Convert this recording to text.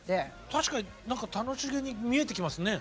確かに何か楽しげに見えてきますね。